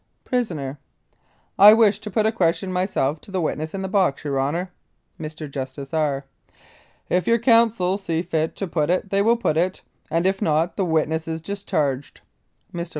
PRISONER: I wish to put a question myself to the witness in the box, your Honour. Mr. JUSTICE R. : If your counsel see fit to put it they will put it, and if not the witness is discharged. Mr.